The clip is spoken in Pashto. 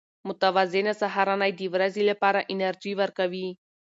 متوازنه سهارنۍ د ورځې لپاره انرژي ورکوي.